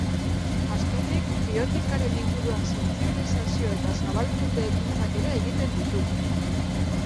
Azkenik, bioetikaren inguruan sentsibilizazio eta zabalkunde ekintzak ere egiten ditugu.